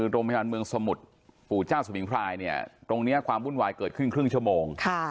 โรงพยาบาลเมืองสมุทรปู่เจ้าสมิงพรายเนี่ยตรงนี้ความวุ่นวายเกิดขึ้นครึ่งชั่วโมง